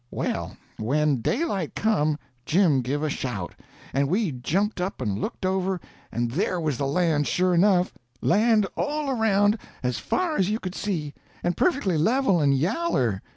Well, when daylight come, Jim give a shout, and we jumped up and looked over, and there was the land sure enough—land all around, as far as you could see, and perfectly level and yaller.